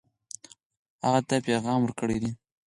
هغه ته پیغام ورکړی دی.